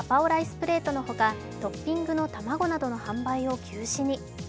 プレートのほかトッピングの卵などの販売を休止に。